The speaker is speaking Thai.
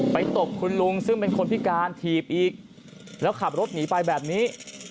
ตบคุณลุงซึ่งเป็นคนพิการถีบอีกแล้วขับรถหนีไปแบบนี้